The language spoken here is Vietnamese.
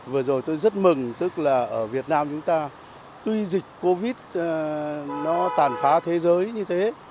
vừa rồi tôi rất mừng tức là ở việt nam chúng ta tuy dịch covid nó tàn phá thế giới như thế